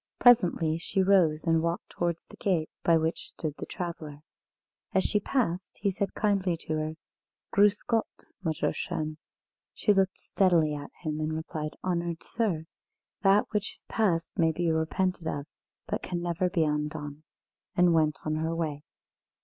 Presently she rose and walked towards the gate, by which stood the traveller. As she passed, he said kindly to her: "Grüss Gott, Mütterchen." She looked steadily at him and replied: "Honoured sir! that which is past may be repented of, but can never be undone!" and went on her way.